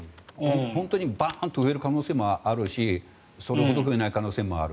本当にバーンと増える可能性もあるしそれほど増えない可能性もある。